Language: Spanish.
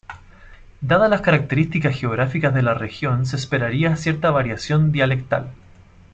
Dadas las características geográficas de la región se esperaría cierta variación dialectal.